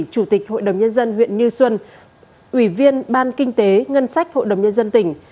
chủ tịch hội đồng nhân dân huyện như xuân ủy viên ban kinh tế ngân sách hội đồng nhân dân tỉnh